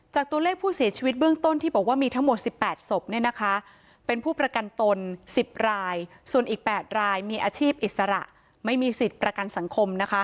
ตัวเลขผู้เสียชีวิตเบื้องต้นที่บอกว่ามีทั้งหมด๑๘ศพเป็นผู้ประกันตน๑๐รายส่วนอีก๘รายมีอาชีพอิสระไม่มีสิทธิ์ประกันสังคม